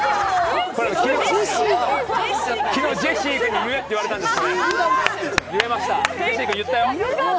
昨日ジェシーに言えって言われたんです。